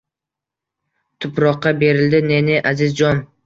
Tuproqqa berildi ne-ne aziz jon.